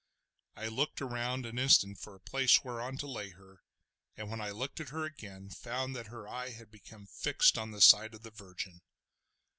I looked around an instant for a place whereon to lay her, and when I looked at her again found that her eye had become fixed on the side of the Virgin.